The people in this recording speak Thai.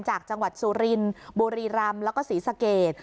จากจังหวัดสุรินบุรีรำแล้วก็ศรีสะเกด